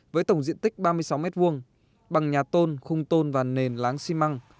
với tổng diện tích ba mươi sáu m hai bằng nhà tôn khung tôn và nền láng xi măng